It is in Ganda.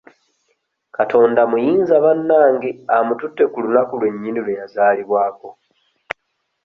Katonda muyinza bannange amututte ku lunaku lwe nnyini lwe yazaalibwako.